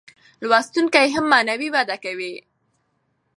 لوستونکی هم معنوي وده کوي.